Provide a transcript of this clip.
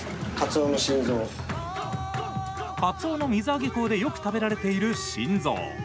カツオの水揚げ港でよく食べられている心臓。